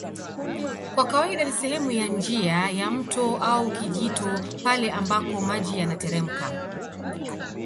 Kwa kawaida ni sehemu ya njia ya mto au kijito pale ambako maji yanateremka